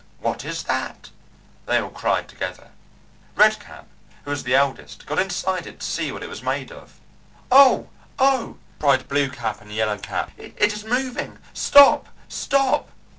"What is that?" they all cried together. Red Cap, who was the eldest, got inside it to see what it was made of. "Oh! oh!" cried Blue Cap and Yellow Cap. "It is moving! Stop! Stop!"